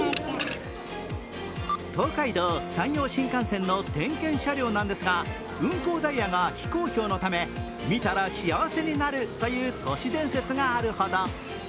東海道・山陽新幹線の点検車両なんですが運行ダイヤが非公表のため見たら幸せになるという都市伝説があるほど。